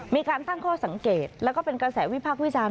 มีการตั้งข้อสังเกตแล้วก็เป็นกระแสวิพักษ์วิจารณ